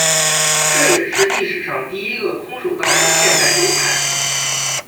这也是历史上第一个空手道的现代流派。